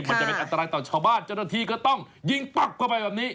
มันจะเป็นอันตรายต่อชาวบ้านเจ้าหน้าที่ก็ต้องยิงปั๊บเข้าไปแบบนี้